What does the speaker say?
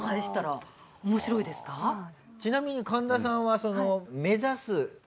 ちなみに神田さんはその。